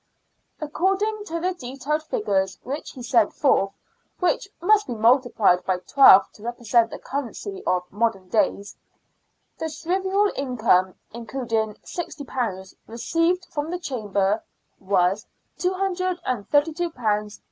According to the detailed figures which he set forth (which must be multiplied by twelve to represent the currency of modem days), the shrieval income, including £60 received from the Chamber, was £232 los.